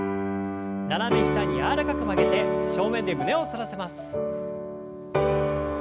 斜め下に柔らかく曲げて正面で胸を反らせます。